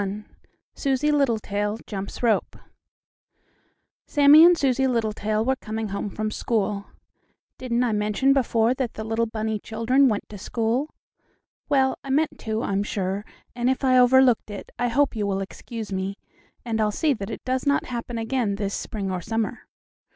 XXI SUSIE LITTLETAIL JUMPS ROPE Sammie and Susie Littletail were coming home from school. Didn't I mention before that the little bunny children went to school? Well, I meant to, I'm sure, and if I overlooked it I hope you will excuse me, and I'll see that it does not happen again this spring or summer.